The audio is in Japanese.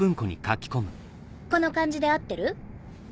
この漢字で合ってる？